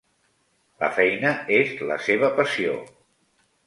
La feina és la seva passió.